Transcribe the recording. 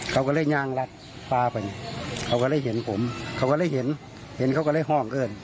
เขาก็เลยย่างรัดฟ้าไปเขาก็เลยเห็นผมเขาก็เลยเห็นเห็นเขาก็เลยห้องเอิ้น